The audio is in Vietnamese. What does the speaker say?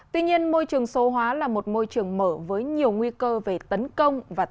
tuy nhiên môi trường số hóa là một môi trường mở với nhiều nguy cơ